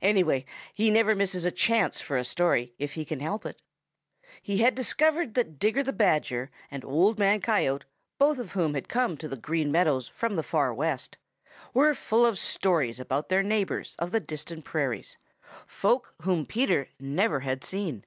Anyway, he never misses a chance for a story if he can help it. He had discovered that Digger the Badger and Old Man Coyote, both of whom had come to the Green Meadows from the Far West, were full of stories about their neighbors of the distant prairies, folk whom Peter never had seen.